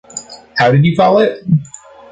How did you call it?